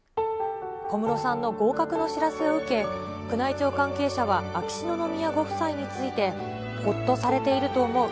小室さんの合格の知らせを受け、宮内庁関係者は、秋篠宮ご夫妻について、ほっとされていると思う。